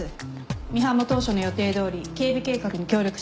ミハンも当初の予定どおり警備計画に協力します。